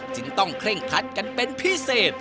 จึงต้องเคร่งคัดกันเป็นพิเศษ